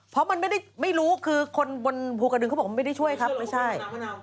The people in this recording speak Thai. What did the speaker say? เพราะมันไม่ได้ไม่รู้คือคนบนภูกระดึงเขาบอกว่าไม่ได้ช่วยครับไม่ใช่